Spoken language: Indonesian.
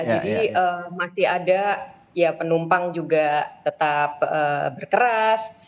jadi masih ada penumpang juga tetap berkeras